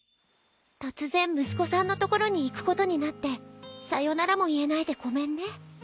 突然息子さんのところに行くことになってさよならも言えないでごめんね。